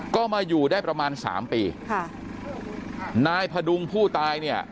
ก็มาอยู่ได้ประมาณสามปีค่ะนายพดุงผู้ตายเนี่ย